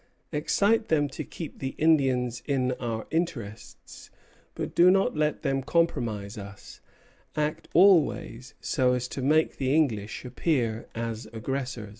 Excite them to keep the Indians in our interests, but do not let them compromise us. Act always so as to make the English appear as aggressors." Ibid., 22 Juillet, 1750.